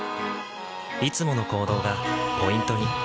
いつもの行動がポイントに。